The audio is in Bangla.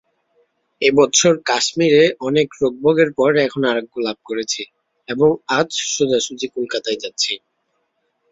এ বৎসর কাশ্মীরে অনেক রোগভোগের পর এখন আরোগ্যলাভ করেছি এবং আজ সোজাসুজি কলিকাতায় যাচ্ছি।